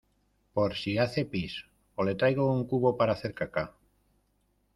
por si se hace pis o le traigo un cubo para hacer caca?